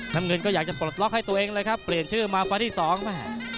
น้ำเงินก็อยากจะปลดล็อกให้ตัวเองเลยครับเปลี่ยนชื่อมาไฟล์ที่สองแม่